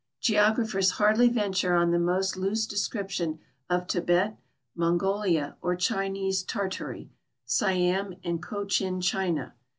Geographers hardly venture on the most loose de scription of Tibet, Mongolia, or Chinese Tartary, Siam, and Cochin China."